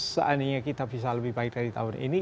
seandainya kita bisa lebih baik dari tahun ini